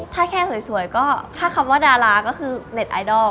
ถ้าแค่สวยก็ถ้าคำว่าดาราก็คือเน็ตไอดอล